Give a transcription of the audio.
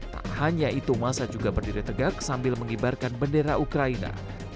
tak hanya itu masa juga berdiri tegak sambil mengibarkan bendera ukraina